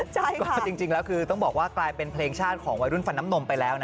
ก็จริงแล้วคือต้องบอกว่ากลายเป็นเพลงชาติของวัยรุ่นฟันน้ำนมไปแล้วนะ